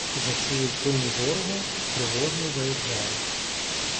Зачули й коні ворога, тривожно заіржали.